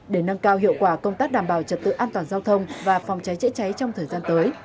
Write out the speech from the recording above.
để nâng cao hiệu quả công tác đảm bảo trật tự an toàn giao thông và phòng cháy chữa cháy trong thời gian tới